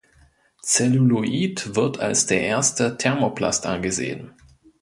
Zelluloid wird als der erste Thermoplast angesehen.